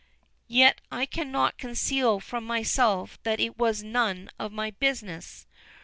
"Yet I cannot conceal from myself that it was none of my business.